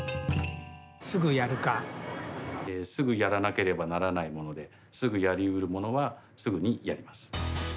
すぐやらなければならないものですぐやり得るものはすぐにやります。